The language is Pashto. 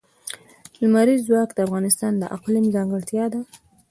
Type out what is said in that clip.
لمریز ځواک د افغانستان د اقلیم ځانګړتیا ده.